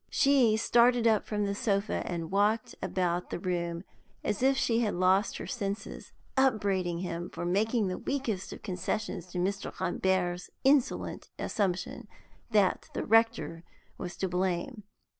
She started up from the sofa and walked about the room as if she had lost her senses, upbraiding him for making the weakest of concessions to Mr. Rambert's insolent assumption that the rector was to blame.